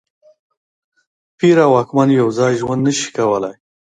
پیر او واکمن یو ځای ژوند نه شي کولای.